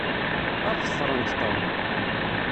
Ad ḍefrent Tom.